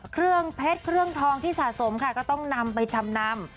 เครื่องเพชรเครื่องทองที่สะสมค่ะก็ต้องนำไปจำนำ